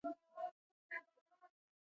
د افغانستان په منظره کې ځنګلونه ښکاره ده.